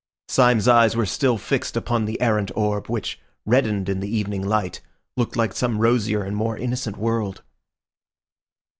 Syme's eyes were still fixed upon the errant orb, which, reddened in the evening light, looked like some rosier and more innocent world.